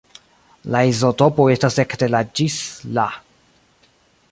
La izotopoj estas ekde La ĝis La.